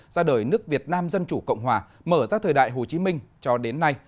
ra đời nước việt nam dân chủ cộng hòa mở ra thời đại hồ chí minh cho đến nay